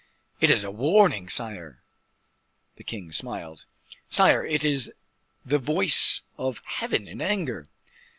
"It is a warning, sire." The king smiled. "Sire, it is the voice of Heaven in anger."